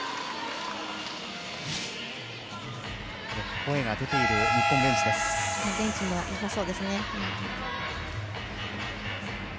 声が出ている日本ベンチです。